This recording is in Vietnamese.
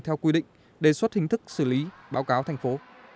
theo quy định đề xuất hình thức xử lý báo cáo thành phố